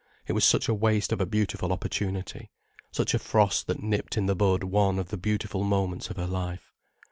It was such a waste of a beautiful opportunity, such a frost that nipped in the bud one of the beautiful moments of her life.